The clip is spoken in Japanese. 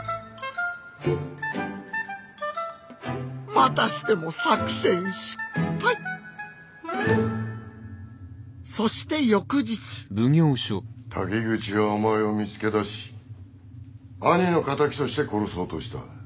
またしても作戦失敗そして翌日滝口はお前を見つけ出し兄の敵として殺そうとした。